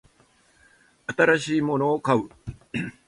新しいものを買う